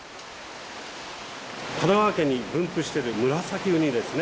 神奈川県に分布してるムラサキウニですね。